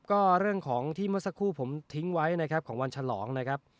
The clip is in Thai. ก็เรื่องของที่เมื่อสักครู่ผมทิ้งไว้นะครับของวันฉลองนะครับ